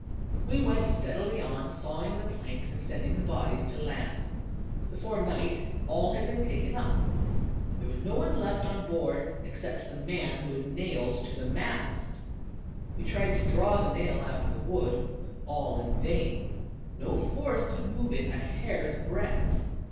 We went steadily on sawing the planks and sending the bodies to land. Before night all 122 THE CAB A VAJST. had been taken up. There was no one left on board except the man who was nailed to the mast. We tried to draw the nail out of the wood, but all in vain ; no force could move it a hair's breadth.